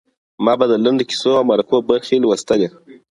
ما به د لنډو کیسو او مرکو برخې لوستلې.